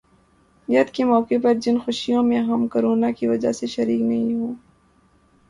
ید کے موقع پر جن خوشیوں میں ہم کرونا کی وجہ سے شریک نہیں ہو پائے